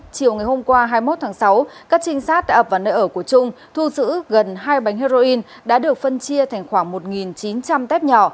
chiều ngày hôm qua hai mươi một tháng sáu các trinh sát đã ập vào nơi ở của trung thu giữ gần hai bánh heroin đã được phân chia thành khoảng một chín trăm linh tép nhỏ